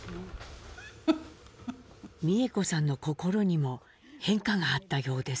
美江子さんの心にも変化があったようです。